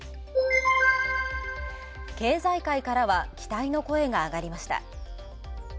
経済界からは、期待の声があがりました。